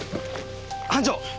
班長！